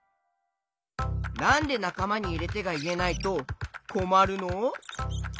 なんで「なかまにいれて」がいえないとこまるの？